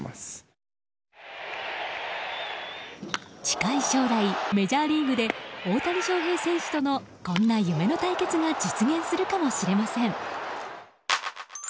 近い将来、メジャーリーグで大谷翔平選手とのこんな夢の対決が実現するかもしれません。